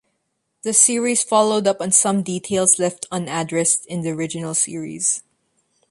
The series followed up on some details left unaddressed in the original series.